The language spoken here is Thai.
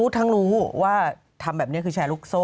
ทั้งรู้ว่าทำแบบนี้คือแชร์ลูกโซ่